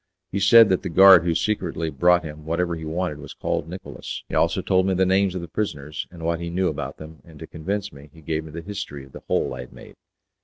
He said that the guard who secretly brought him whatever he wanted was called Nicolas, he also told me the names of the prisoners, and what he knew about them, and to convince me he gave me the history of the hole I had made.